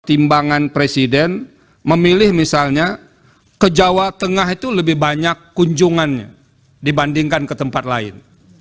timbangan presiden memilih misalnya ke jawa tengah itu lebih banyak kunjungannya dibandingkan ke tempat lain